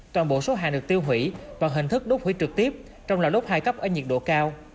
toàn bộ số hàng được tiêu hủy và hình thức đốt hủy trực tiếp trong lò đốt hai cấp ở nhiệt độ cao